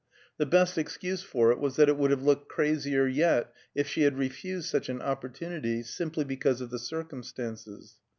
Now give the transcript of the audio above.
The best excuse for it was that it would have looked crazier yet if she had refused such an opportunity simply because of the circumstances.